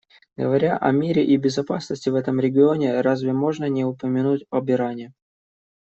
Говоря о мире и безопасности в этом регионе, разве можно не упомянуть об Иране?